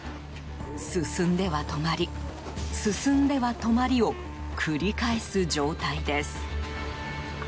進んでは止まり進んでは止まりを繰り返す状態です。